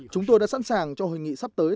chúng tôi đã sẵn sàng cho hội nghị sắp tới